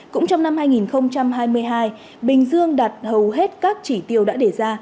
cũng trong năm hai nghìn hai mươi hai bình dương đạt hầu hết các chỉ tiêu đã đề ra